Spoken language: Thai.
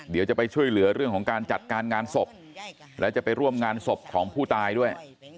เดี๋ยวจะไปช่วยเหลือเรื่องของการจัดการงานศพและจะไปร่วมงานศพของผู้ตายด้วย